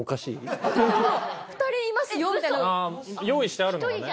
用意してあるのがね。